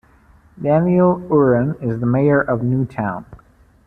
Daniel Uran is the Mayor of New Town.